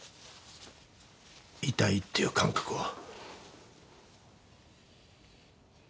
痛いっていう感覚を。